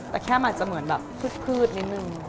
แต่แค่มันอาจจะเหมือนแบบพืชนิดนึง